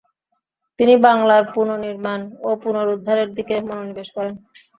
তিনি বাংলার পুনর্নির্মাণ ও পুনরুদ্ধারের দিকে মনোনিবেশ করেন।